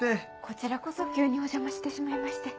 こちらこそ急にお邪魔してしまいまして。